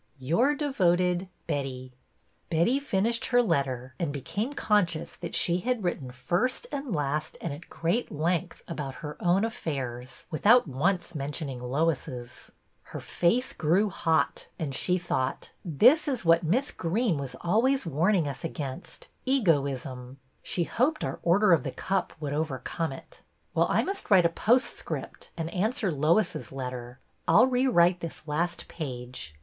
Your devoted Betty. Betty finished her letter and became conscious that she had written first and last and at great length about her own affairs, without once men tioning Lois's. Her face grew hot, and she thought : This is what Miss Greene was always warn ing us against, — egoism. She hoped our Order of the Cup would overcome it. Well, I must wTite a postscript and answer Lois's letter. I 'll rewrite this last page.